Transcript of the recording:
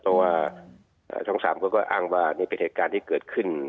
เพราะว่าช่อง๓เขาก็อ้างว่านี่เป็นเหตุการณ์ที่เกิดขึ้น